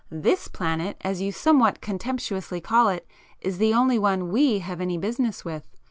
"This planet, as you somewhat contemptuously call it, is the only one we have any business with."